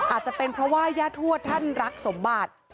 อาจจะเป็นเพราะว่าย่าทวดท่านรักสมบัติ